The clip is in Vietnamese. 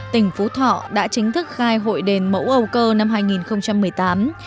tỉnh phú thọ đã chính thức khai hội đền mẫu âu cơ năm hai nghìn một mươi tám